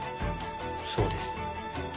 そうです。